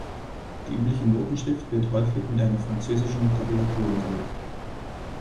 Die übliche Notenschrift wird häufig mit einer französischen Tabulatur unterlegt.